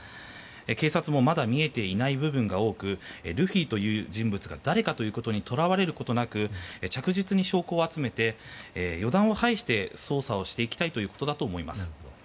警察もまだ見えていない部分が多くルフィという人物が誰かということにとらわれることなく着実に証拠を集めて予断を排して捜査をしていきたいということだと思います。